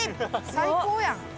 最高やん。